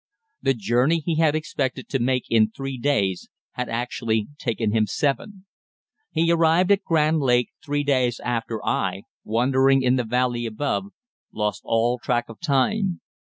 The journey he had expected to make in three days had actually taken him seven. He arrived at Grand Lake three days after I, wandering in the valley above, lost all track of time.